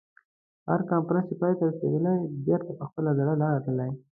هر کنفرانس چې پای ته رسېدلی بېرته په خپله زړه لاره تللي.